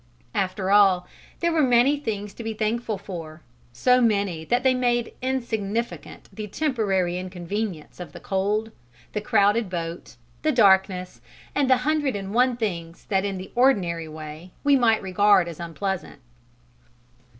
After all, there were many things to be thankful for: so many that they made insignificant the temporary inconvenience of the cold, the crowded boat, the darkness and the hundred and one things that in the ordinary way we might regard as unpleasant.